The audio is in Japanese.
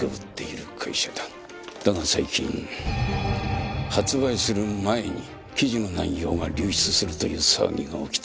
だが最近発売する前に記事の内容が流出するという騒ぎが起きてな。